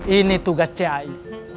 ini tugas cai